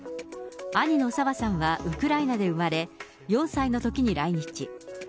兄のサワさんはウクライナで生まれ、４歳のときに来日。